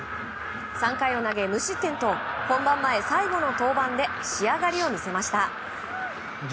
３回を投げ無失点と本番前最後の登板で仕上がりを見せました。